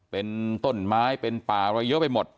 เป็นต้นไม้เป็นป่าอะไรเยอะไปหมด